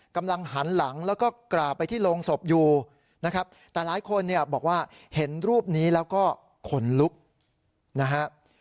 กำลังหันหลังแล้วก็กราบไปที่โรงศพอยู่นะครับแต่หลายคนเนี่ยบอกว่าเห็นรูปนี้แล้วก็ขนลุกนะฮะ